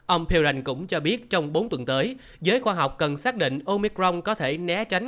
ông perurank cũng cho biết trong bốn tuần tới giới khoa học cần xác định omicron có thể né tránh